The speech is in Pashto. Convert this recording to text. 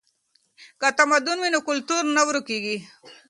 که تمدن وي نو کلتور نه ورکیږي.